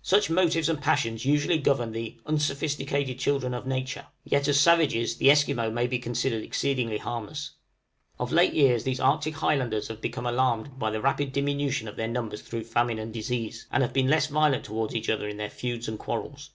Such motives and passions usually govern the "unsophisticated children of nature;" yet, as savages, the Esquimaux may be considered exceedingly harmless. Of late years these Arctic Highlanders have become alarmed by the rapid diminution of their numbers through famine and disease, and have been less violent towards each other in their feuds and quarrels.